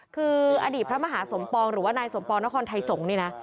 คืออดีตพระมหาสมปองหรือว่านายสมปองนครไทยสงฆ์นี่นะ